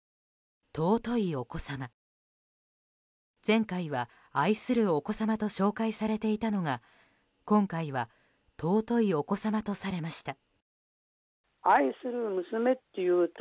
前回は愛するお子様と紹介されていたのが今回は尊いお子様とされました。